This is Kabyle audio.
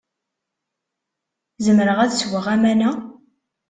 Zemreɣ ad sweɣ aman-a?